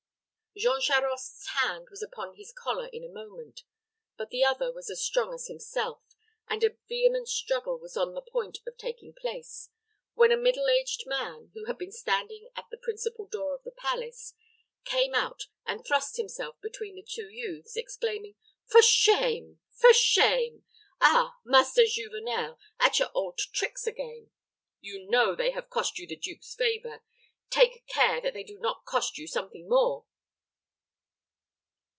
Jean Charost's hand was upon his collar in a moment; but the other was as strong as himself, and a vehement struggle was on the point of taking place, when a middle aged man, who had been standing at the principal door of the palace, came out and thrust himself between the two youths, exclaiming, "For shame! for shame! Ah, Master Juvenel, at your old tricks again. You know they have cost you the duke's favor. Take care that they do not cost you something more."